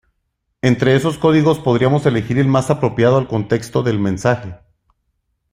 Entre esos código podríamos elegir el más apropiado al contexto del mensaje.